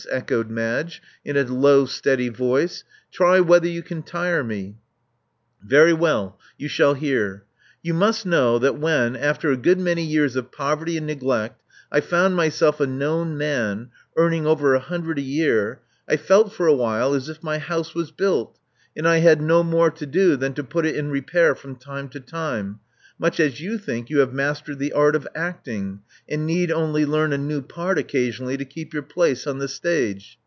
echoed Madge, in a low steady voice. *'Try whether you can tire me." Very well: you shall hear. You must know that when, after a good many years of poverty and neglect, I found myself a known man, earning over a hundred a year, I felt for a while as if my house was * built and I had no more to do than to put it in repair from time to time — much as you think you have mastered the art of acting, and need only learn a new part occasionally to keep your place on the stage.